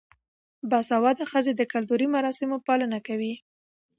باسواده ښځې د کلتوري مراسمو پالنه کوي.